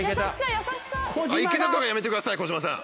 「いけた」とかやめてください児嶋さん。